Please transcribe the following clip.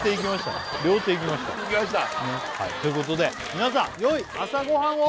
両手いきましたいきましたということで皆さんよい朝ごはんを！